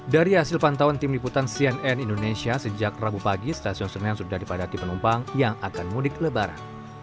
dari hasil pantauan tim liputan cnn indonesia sejak rabu pagi stasiun senen sudah dipadati penumpang yang akan mudik lebaran